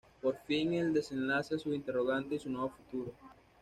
Por fin el desenlace a sus interrogantes y su nuevo futuro.